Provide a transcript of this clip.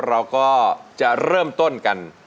เราก็จะเริ่มต้นกัน